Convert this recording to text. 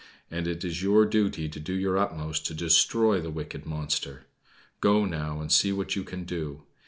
"And it is your duty to do your utmost to destroy the wicked monster. Go now, and see what you can do.